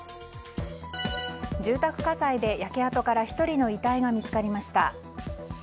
住宅火災で焼け跡から１人の遺体が見つかりました。